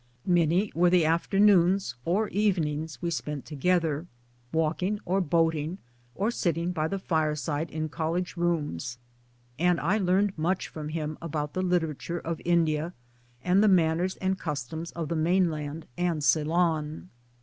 Many were the after .252 MY DAYS AND DREAMS noons or evenings we spent together walking or boating or sitting by the fireside in College rooms and I learned much from him about the literature of India and the manners and customs of the main land and Ceylon.